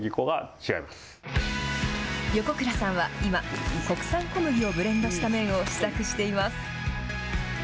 横倉さんは、今国産小麦をブレンドした麺を自作しています。